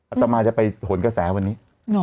ตมาจะไปหนกระแสวันนี้